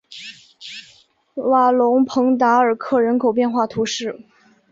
瓦龙蓬达尔克人口变化图示